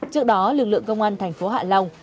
trước đó lực lượng công an tp hạ long